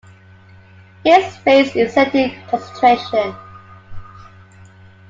His face is set in concentration.